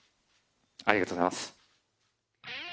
ありがとうございます。